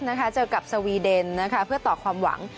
เจอกับสวีเดนเพื่อต่อความหวัง